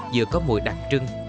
vừa có mùi đặc trưng